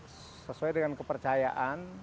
kemudian sesuai dengan kepercayaan